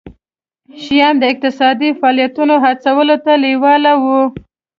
شیام د اقتصادي فعالیتونو هڅولو ته لېواله وو.